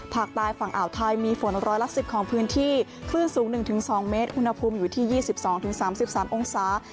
ภาคใต้ฝั่งอ่าวไทยมีฝนร้อยละ๑๐ของพื้นที่คลื่นสูง๑๒เมตรอุณหภูมิอยู่ที่๒๒๓๓องศา